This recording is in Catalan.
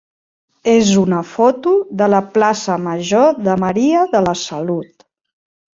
és una foto de la plaça major de Maria de la Salut.